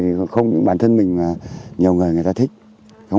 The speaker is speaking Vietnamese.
thì không những bản thân mình mà nhiều người người ta thích